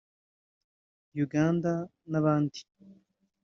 Uganda n’ahandi